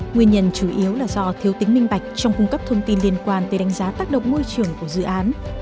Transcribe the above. nguyên nhân chủ yếu là do thiếu tính minh bạch trong cung cấp thông tin liên quan tới đánh giá tác động môi trường của dự án